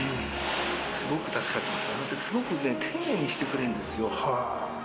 すごく助かっていますし、すごく丁寧にしてくれるんですよ。